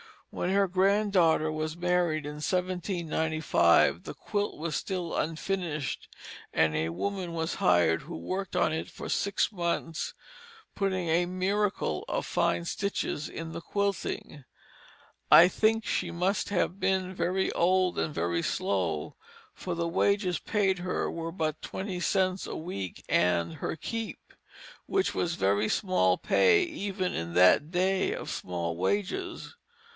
When her granddaughter was married in 1795, the quilt was still unfinished, and a woman was hired who worked on it for six months, putting a miracle of fine stitches in the quilting. I think she must have been very old and very slow, for the wages paid her were but twenty cents a week and "her keep," which was very small pay even in that day of small wages.